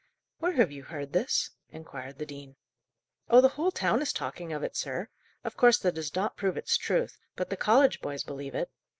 "Where have you heard this?" inquired the dean. "Oh, the whole town is talking of it, sir. Of course, that does not prove its truth; but the college boys believe it.